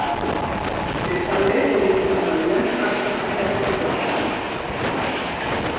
Bestalde, politika mailan asko parte hartu zuen.